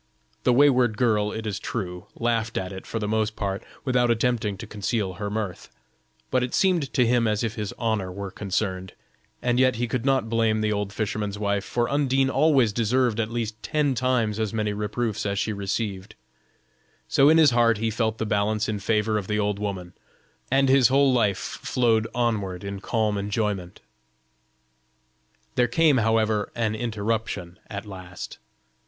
The wayward girl, it is true, laughed at it for the most part, without attempting to conceal her mirth; but it seemed to him as if his honor were concerned, and yet he could not blame the old fisherman's wife, for Undine always deserved at least ten times as many reproofs as she received; so, in his heart he felt the balance in favor of the old woman, and his whole life flowed onward in calm enjoyment. There came, however, an interruption at last.